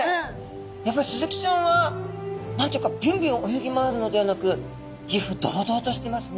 やっぱスズキちゃんは何て言うかびゅんびゅん泳ぎ回るのではなく威風堂々としてますね。